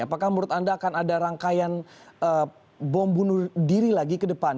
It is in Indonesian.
apakah menurut anda akan ada rangkaian bom bunuh diri lagi ke depan